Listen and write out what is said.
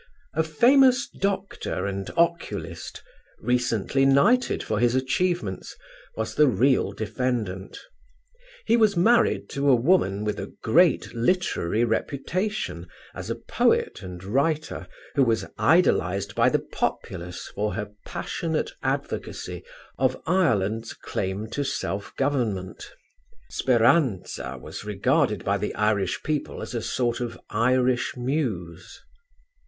A famous doctor and oculist, recently knighted for his achievements, was the real defendant. He was married to a woman with a great literary reputation as a poet and writer who was idolized by the populace for her passionate advocacy of Ireland's claim to self government; "Speranza" was regarded by the Irish people as a sort of Irish Muse.